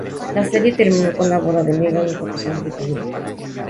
La serie terminó con la boda de Meggan y Capitán Britania.